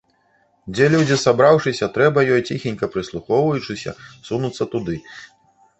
Дзе людзі сабраўшыся, трэба ёй, ціхенька прыслухоўваючыся, сунуцца туды.